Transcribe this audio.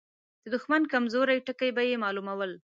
د دښمن کمزوري ټکي به يې مالومول.